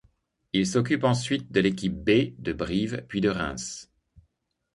Il s'occupe ensuite de l'équipe B de Brive puis de Reims.